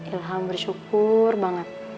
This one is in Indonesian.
ilham bersyukur banget